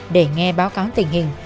để nghe báo cáo tình hình